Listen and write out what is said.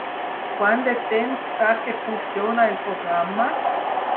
Quant de temps fa que funciona el programa?